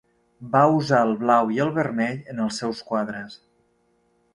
Va usar el blau i el vermell en els seus quadres.